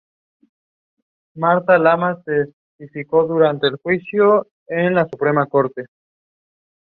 Desde entonces, las relaciones homosexuales han permanecido legales en Kosovo.